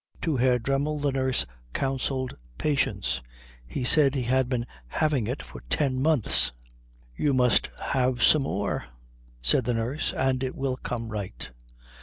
To Herr Dremmel the nurse counselled patience. He said he had been having it for ten months. "You must have some more," said the nurse, "and it will come right."